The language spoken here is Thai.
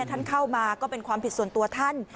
ท่านเข้ามาก็เป็นความผิดส่วนตัวท่าน